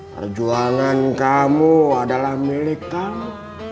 perjuangan kamu adalah milik kamu